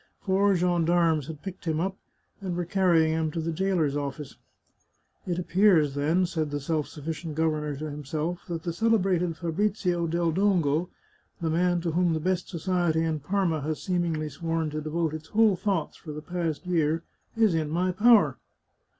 Four gen darmes had picked him up, and were carrying him to the jailer's office. " It appears, then," said the self sufficient governor to himself, " that the celebrated Fabrizio del Dongo, the man to whom the best society in Parma has seemingly sworn to devote its whole thoughts for the past year, is in my power."